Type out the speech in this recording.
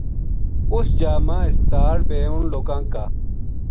اُس جا ما ہسپتا ل بے اِنھ لوکاں